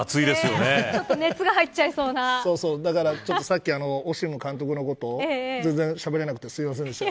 だからさっきオシム監督のこと全然しゃべれなくてすみませんでした。